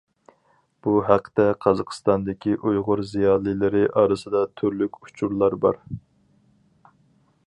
بۇ ھەقتە قازاقىستاندىكى ئۇيغۇر زىيالىيلىرى ئارىسىدا تۈرلۈك ئۇچۇرلار بار.